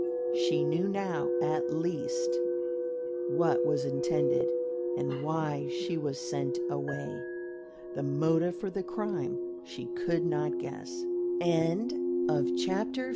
She knew now at least what was intended and why she was sent away. The motive for the crime she could not guess. CHAPTER LI WHAT NEXT?